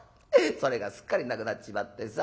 それがすっかりなくなっちまってさ